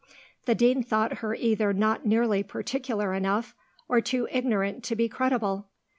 The Dean thought her either not nearly particular enough, or too ignorant to be credible.